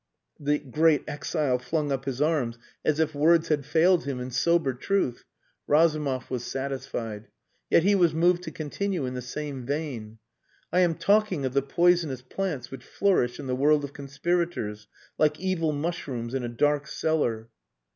The great exile flung up his arms as if words had failed him in sober truth. Razumov was satisfied. Yet he was moved to continue in the same vein. "I am talking of the poisonous plants which flourish in the world of conspirators, like evil mushrooms in a dark cellar."